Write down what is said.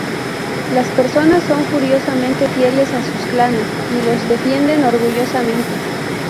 Las personas son furiosamente fieles a sus clanes y los defienden orgullosamente.